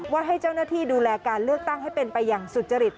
ว่าให้เจ้าหน้าที่ดูแลการเลือกตั้งให้เป็นไปอย่างสุจริต